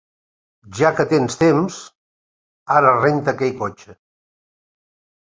Ja que tens temps, ara renta aquell cotxe.